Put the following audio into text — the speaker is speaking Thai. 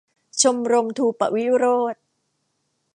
ชมรมธูปะวิโรจน์